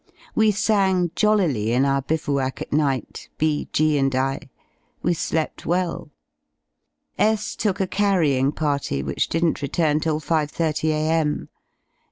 We sang jollily in our bivouac at night, B , G , and I. We slept well. S took a carrying party, which didn't return till 5.30 a.m.